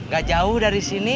gak jauh dari sini